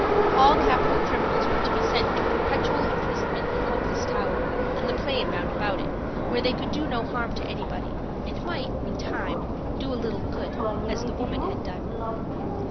All capital criminals were to be sent to perpetual imprisonment in Hopeless Tower and the plain round about it, where they could do no harm to anybody, and might in time do a little good, as the woman had done.